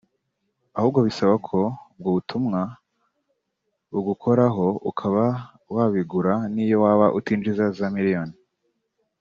ahubwo bisaba ko ubwo butumwa bugukoraho ukaba wabigura niyo waba utinjiza za miliyoni